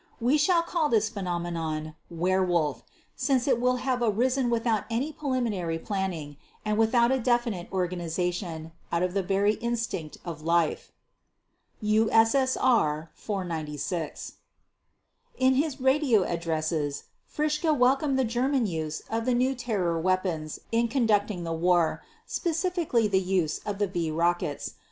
We shall call this phenomenon "Werewolf" since it will have arisen without any preliminary planning and without a definite organization, out of the very instinct of life." (USSR 496) In his radio addresses Fritzsche welcomed the German use of the new terror weapons in conducting the war, specifically the use of the "V" rockets.